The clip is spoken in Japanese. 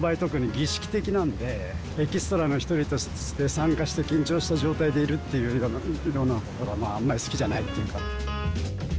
エキストラの一人として参加して緊張した状態でいるっていうようなところはあんまり好きじゃないっていうか。